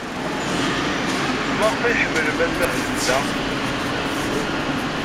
Maɣef ay ḥemmlem ad mahlen da?